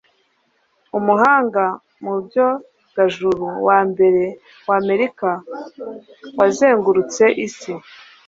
umuhanga mu byogajuru wa mbere w'amerika wazengurutse isi